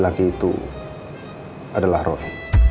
dan laki itu adalah roy